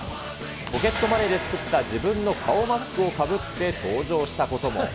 ポケットマネーで作った自分の顔マスクをかぶって登場したことも。